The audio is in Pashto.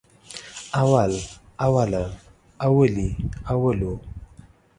اول، اوله، اولې، اولو